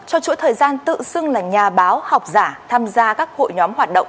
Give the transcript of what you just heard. cho chuỗi thời gian tự xưng là nhà báo học giả tham gia các hội nhóm hoạt động